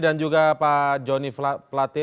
dan juga pak joni pelate